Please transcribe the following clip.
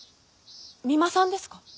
三馬さんですか？